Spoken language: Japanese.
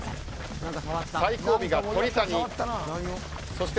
最後尾、鳥谷。